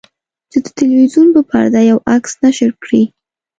چې د تلویزیون په پرده یو عکس نشر کړي.